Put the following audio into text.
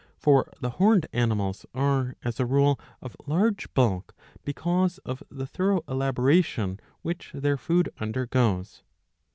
For the horned anirnals are, as a rule, of large bulk, because of the thorough elaboration which their food under goes.